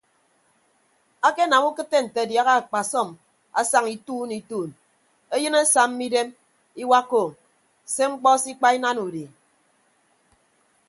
Akenam ukịtte nte adiaha akpasọm asaña ituun ituun eyịn asamma idem iwakka ou se mkpọ se ikpa inana udi.